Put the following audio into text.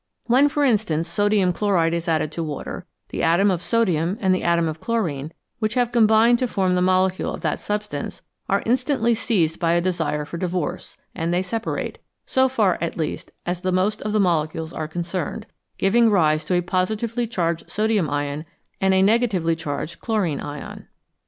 When, for instance, sodium chloride is added to water, the atom of sodium and the atom of chlorine which have combined to form the molecule of that substance, are instantly seized with a desire for divorce, and they separate, so far, at least, as the most of the molecules are concerned, giving rise to a positively charged sodium ion and a negatively charged chlorine ion.